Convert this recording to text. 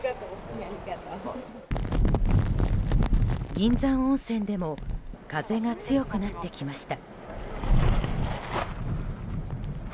銀山温泉でも風が強くなってきました。